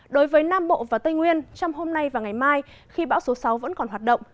đối với nam bộ và tây nguyên trong hôm nay và ngày mai khi bão số sáu vẫn còn hoạt động